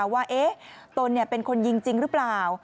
ว่าตนเป็นคนยิงจริงหรือเปล่า